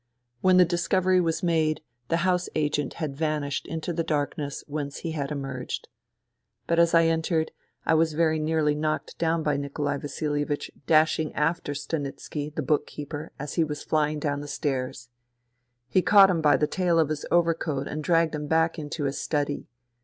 When the discovery was made the house agent had vanished into the darkness whence he had emerged. But as I entered I was very nearly knocked down by Nikolai THE REVOLUTION 101 Vasilievich dashing after Stanitski, the book keeper, as he was flying down the stairs. He caught him by the tail of his overcoat and dragged him back into his study.